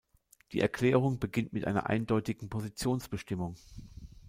Die Erklärung beginnt mit einer eindeutigen Positionsbestimmung.